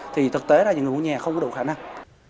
thì thực tế ra những nhà không có đủ khả năng